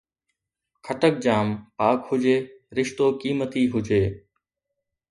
خٽڪ جام پاڪ هجي، رشتو قيمتي هجي